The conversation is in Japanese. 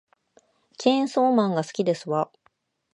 チェーンソーマンが好きですわ